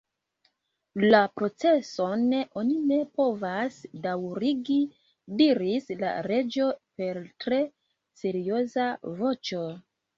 "La proceson oni ne povas daŭrigi," diris la Reĝo per tre serioza voĉo.